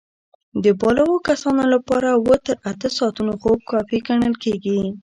د بالغو کسانو لپاره اووه تر اته ساعتونه خوب کافي ګڼل کېږي.